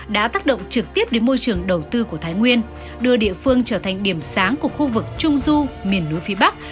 đã tác động trực tiếp đến môi trường đầu tư của thái nguyên đưa địa phương trở thành điểm sáng của khu vực trung du miền núi phía bắc